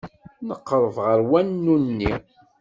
Nqerreb ɣer wanu-nni.